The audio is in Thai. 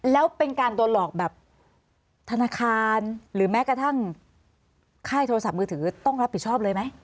แล้วเป็นการโดนหลอกแบบธนาคารหรือแม้กระทั่งค่ายโทรศัพท์มือถือต้องรับผิดชอบเลยไหม